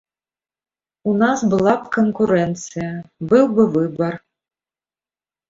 У нас была б канкурэнцыя, быў бы выбар.